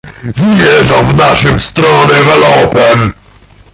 "Zmierzał w naszą stronę galopem."